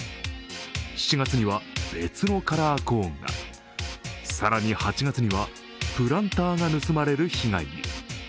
７月には別のカラーコーンが、更に８月にはプランターが盗まれる被害に。